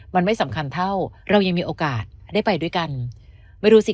มันไม่สำคัญเท่าเรายังมีโอกาสได้ไปด้วยกันไม่รู้สิ